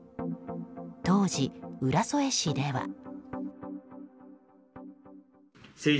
当時、浦添市では。